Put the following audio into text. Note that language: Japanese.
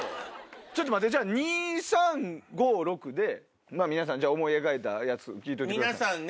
ちょっと待ってじゃあ２・３・５・６で皆さん思い描いたやつ聞いといてください。